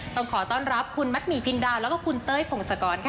ต้องขอต้อนรับคุณมัดหมี่พินดาแล้วก็คุณเต้ยพงศกรค่ะ